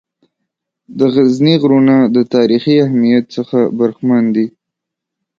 د غزني غرونه د تاریخي اهمیّت څخه برخمن دي.